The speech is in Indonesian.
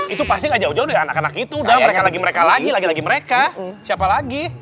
itu pasti gak jauh jauh dari anak anak itu udah mereka lagi mereka lagi lagi mereka siapa lagi